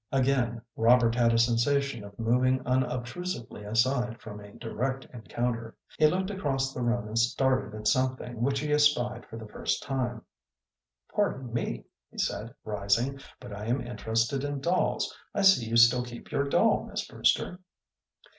Again Robert had a sensation of moving unobtrusively aside from a direct encounter. He looked across the room and started at something which he espied for the first time. "Pardon me," he said, rising, "but I am interested in dolls. I see you still keep your doll, Miss Brewster."